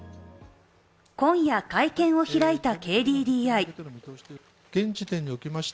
今夜、会見を開いたＫＤＤＩ。